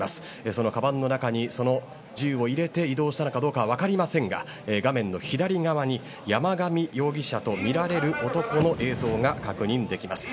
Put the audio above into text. そのかばんの中にその銃を入れて移動したのかどうかは分かりませんが画面の左側に山上容疑者とみられる男の映像が確認できます。